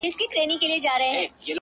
څه په هنر ريچي ـ ريچي راته راوبهيدې;